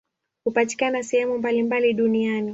Hupatikana sehemu mbalimbali duniani.